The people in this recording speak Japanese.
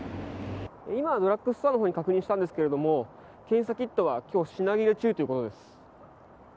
今、ドラッグストアのほうに確認したんですけども検査キットは今日、品切れ中ということです。